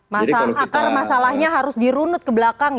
masa akar masalahnya harus dirunut ke belakang